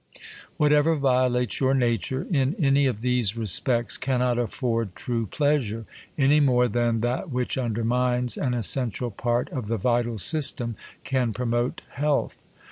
Whatever violates your nature, in any of these re spects, cannot afford true pleasure; anymore than .that which undermines an essential part of the vital system can promote health.